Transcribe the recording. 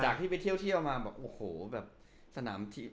จากที่ไปเที่ยวมา